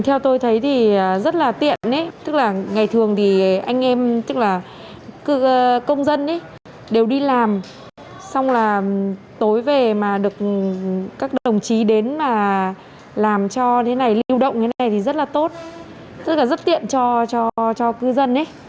theo tôi thấy thì rất là tiện tức là ngày thường thì anh em tức là công dân đều đi làm xong là tối về mà được các đồng chí đến mà làm cho thế này lưu động thế này thì rất là tốt rất là rất tiện cho cư dân